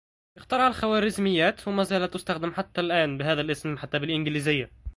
إخترع الخواريزميات ومازالت تستخدم حتى الأن بهذا الإسم حتى بالانجليزية